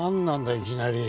いきなり。